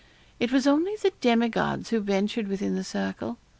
It was only the demigods who ventured within the circle.